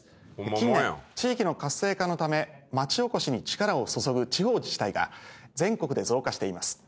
近年地域の活性化のため町おこしに力を注ぐ地方自治体が全国で増加しています。